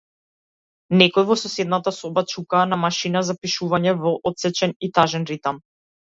Некој во соседната соба чука на машина за пишување во отсечен и тажен ритам.